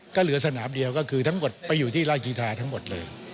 ก็เหลือสนามเดียวก็คือทั้งหมดไปอยู่ที่ราชกีธาทั้งหมดเลย